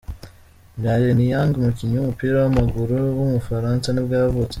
M'Baye Niang, umukinnyi w’umupira w’amaguru w’umufaransa nibwo yavutse.